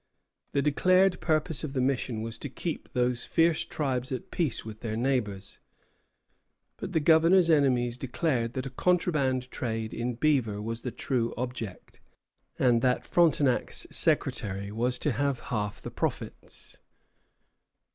The declared purpose of the mission was to keep those fierce tribes at peace with their neighbors; but the Governor's enemies declared that a contraband trade in beaver was the true object, and that Frontenac's secretary was to have half the profits.